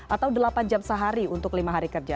atau delapan jam sehari untuk lima hari kerja